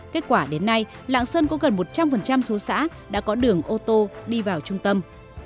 kết quả đến nay lạng sơn có gần một trăm linh số xã đã có đường ô tô đi vào trung tâm